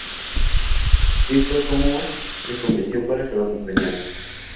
Así fue como me convenció para que lo acompañara.